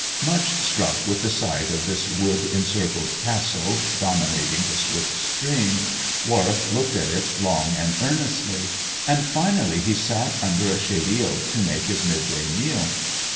Much struck with the sight of this wood encircled castle dominating the swift stream, Warwick looked at it long and earnestly, and finally he sat under a shady oak to make his midday meal.